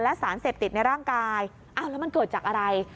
และสารเสพติดในร่างกายอ้าวแล้วมันเกิดจากอะไร